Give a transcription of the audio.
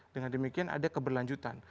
dengan demikian ada keberlanjutan